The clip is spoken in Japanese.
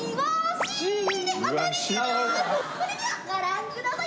それではご覧ください